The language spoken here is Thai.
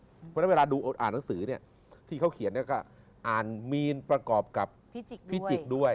เพราะฉะนั้นเวลาดูอ่านหนังสือเนี่ยที่เขาเขียนเนี่ยก็อ่านมีนประกอบกับพิจิกด้วย